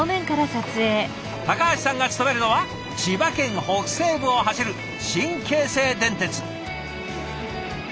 橋さんが勤めるのは千葉県北西部を走る新京成電鉄。